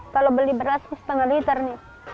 kalau beli beras setengah liter nih